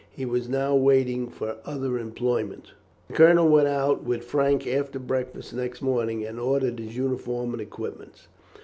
He was now waiting for other employment. The colonel went out with Frank after breakfast next morning and ordered his uniform and equipments.